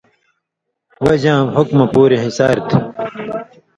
وجہۡ یاں حُکُمہۡ پُوری حِصار تھی۔